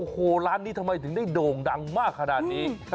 โอ้โหร้านนี้ทำไมถึงได้โด่งดังมากขนาดนี้